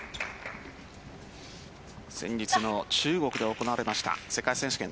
先日の中国で行われた世界選手権。